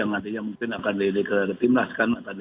yang nantinya mungkin akan dikhair ke tim nasional